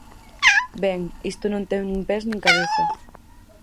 Ben, isto non ten nin pés nin cabeza.